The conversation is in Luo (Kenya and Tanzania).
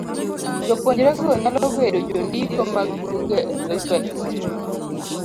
Jopuonjrego nyalo bedo jondiko mag buge e dho - Swahili.